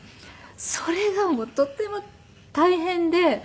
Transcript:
それがもうとても大変で寝たいのに。